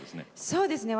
そうですね。